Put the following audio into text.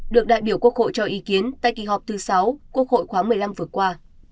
được đại biểu quốc hội cho ý kiến tại kỳ họp thứ sáu quốc hội khóa một mươi năm vừa qua